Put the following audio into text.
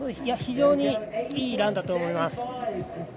非常にいいランだと思います。